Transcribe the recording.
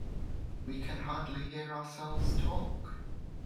We can hardly hear ourselves talk.